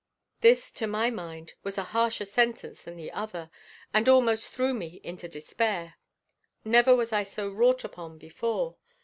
This, to my mind, was a harsher sentence than the other, and almost threw me into despair. Never was I so wrought upon before.